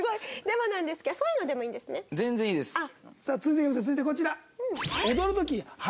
続いてこちら。